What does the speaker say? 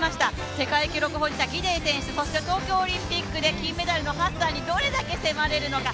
世界記録保持者・ギデイ選手、そして東京オリンピック金メダルのハッサンにどれだけ迫れるのか。